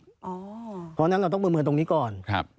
เพราะฉะนั้นเราต้องประเมินตรงนี้ก่อน